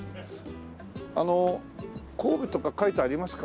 あの神戸とか書いてありますかね？